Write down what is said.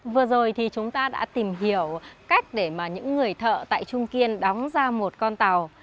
vừa rồi thì chúng ta đã tìm hiểu cách để mà những người thợ tại trung kiên đóng ra một con tàu